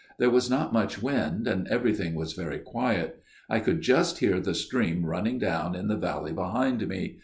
There was not much wind and everything was very quiet. I could just hear the stream running down in the valley behind me.